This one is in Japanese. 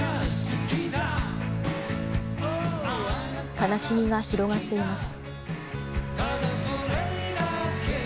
悲しみが広がっています。